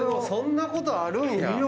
そんなことあるんや！